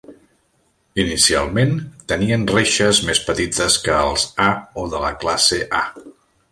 Inicialment tenien reixes més petites que els A o de la classe A.